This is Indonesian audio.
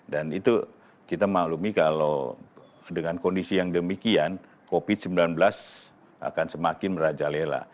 dan itu kita maklumi kalau dengan kondisi yang demikian covid sembilan belas akan semakin merajalela